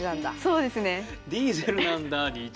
そうですね。